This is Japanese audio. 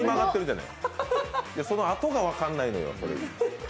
そのあとが分かんないのよ。